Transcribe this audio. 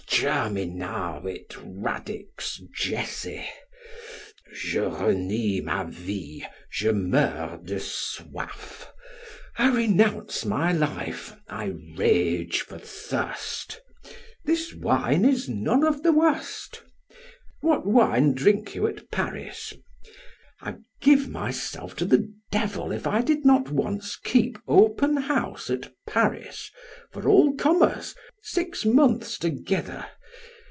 Germinavit radix Jesse. Je renie ma vie, je meurs de soif; I renounce my life, I rage for thirst. This wine is none of the worst. What wine drink you at Paris? I give myself to the devil, if I did not once keep open house at Paris for all comers six months together.